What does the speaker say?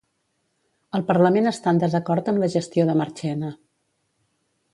El parlament està en desacord amb la gestió de Marchena